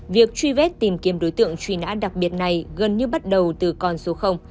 việc truy vết tìm kiếm đối tượng truy nã đặc biệt này gần như bắt đầu từ con số